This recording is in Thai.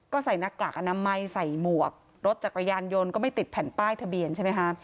ก็ใส่หน้ากากอนามัยใส่หมวกรถจักรยานยนต์ก็ไม่ติดแผ่นป้ายทะเบียนใช่ไหมคะ